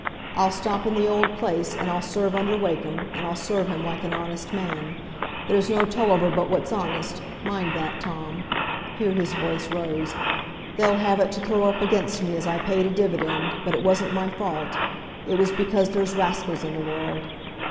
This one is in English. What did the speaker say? I'll stop in the old place, and I'll serve under Wakem, and I'll serve him like an honest man; there's no Tulliver but what's honest, mind that, Tom,"—here his voice rose,—"they'll have it to throw up against me as I paid a dividend, but it wasn't my fault; it was because there's raskills in the world.